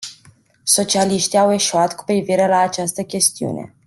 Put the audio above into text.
Socialiștii au eșuat cu privire la această chestiune.